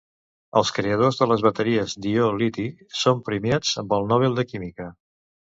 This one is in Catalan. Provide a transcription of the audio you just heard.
Els creadors de les bateries d'ió-liti són premiats amb el Nobel de Química.